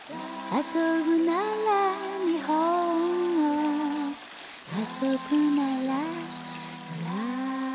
「あそぶなら」